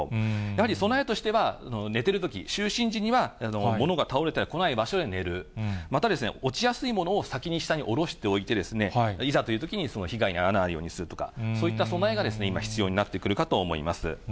やはり備えとしては、寝てるとき、就寝時には、物が倒れてこない場所で寝る、また、落ちやすいものを先に下におろしておいてですね、いざというときにその被害に遭わないようにするとか、その備えが今、必要になってくるかと思います。